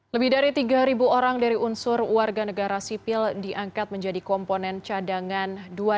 lebih dari tiga orang dari unsur warga negara sipil diangkat menjadi komponen cadangan dua ribu dua puluh